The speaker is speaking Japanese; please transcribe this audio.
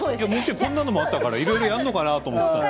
こんなのもあったからいろいろやるのかなと思ったんですけど。